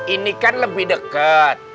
ini kan lebih deket